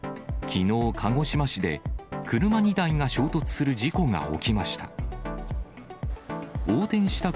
きのう、鹿児島市で車２台が衝突する事故が起きました。